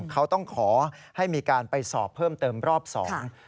เขาต้องขอให้มีการไปสอบเพิ่มเติมรอบสอง